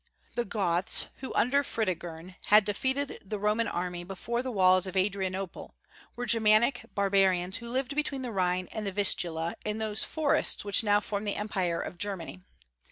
The Goths, who under Fritigern had defeated the Roman army before the walls of Adrianople, were Germanic barbarians who lived between the Rhine and the Vistula in those forests which now form the empire of Germany.